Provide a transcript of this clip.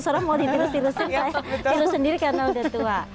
seorang mau ditiru tiru sendiri karena udah tua